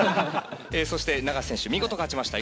そして永瀬選手見事勝ちました。